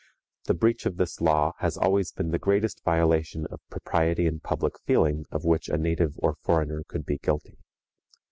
The breach of this law has always been the greatest violation of propriety and public feeling of which a native or foreigner could be guilty.